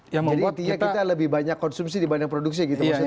jadi kita lebih banyak konsumsi dibanding produksi gitu maksudnya